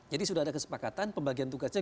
jadi sudah ada kesepakatan pembagian tugasnya